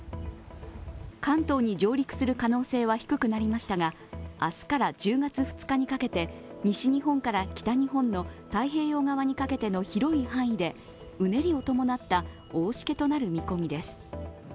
関東に上陸する可能性は低くなりましたが明日から１０月２日にかけて、西日本から北日本の太平洋側にかけての広い範囲でうねりを伴った大しけとなる見込みです。